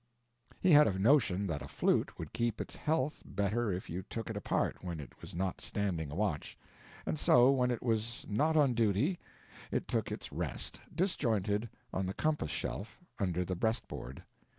He had a notion that a flute would keep its health better if you took it apart when it was not standing a watch; and so, when it was not on duty it took its rest, disjointed, on the compass shelf under the breastboard.